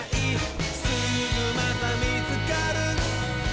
「すぐまたみつかる」